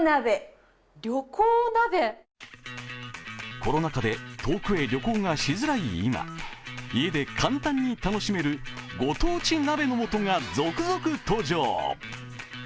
コロナ禍で遠くへ旅行がしづらい今家で簡単に楽しめるご当地鍋のもとが続々登場。